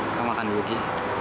kamu makan dulu ki